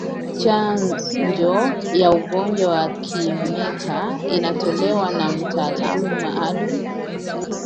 Chanjo ya ugonjwa wa kimeta itolewe na mtaalamu maalumu